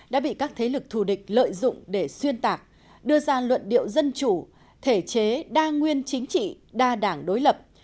đã bị các thế lực thù địch lợi dụng để xuyên tạc đưa ra luận điệu dân chủ thể chế đa nguyên chính trị đa đảng đối lập